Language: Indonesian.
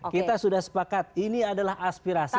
kita sudah sepakat ini adalah aspirasi mas anies